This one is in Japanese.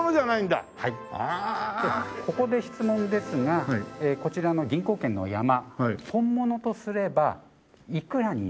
でここで質問ですがこちらの銀行券の山本物とすればいくらになるでしょうか？